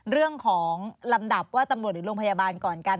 เรื่องของลำดับว่าตำรวจหรือโรงพยาบาลก่อนกัน